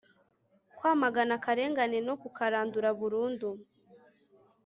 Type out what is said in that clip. kwamagana akarengane no kukarandura burundu